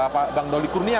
pak bang doli kurnia